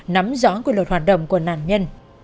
nắm rõ quy luật hoạt động của nạn nhân